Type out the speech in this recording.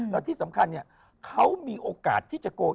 แล้วที่สำคัญเขามีโอกาสจะโก